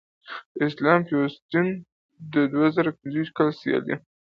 د اسلامي پیوستون د دوه زره پنځویشتم کال سیالۍ